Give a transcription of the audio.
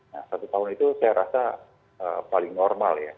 nah satu tahun itu saya rasa paling normal ya